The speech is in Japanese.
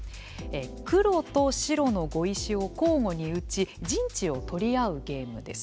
黒と白の碁石を交互に打ち陣地を取り合うゲームです。